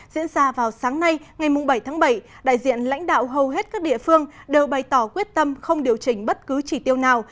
diễn ra vào sáng nay ngày bảy tháng bảy đại diện lãnh đạo hầu hết các địa phương đều bày tỏ quyết tâm không điều chỉnh bất cứ chỉ tiêu nào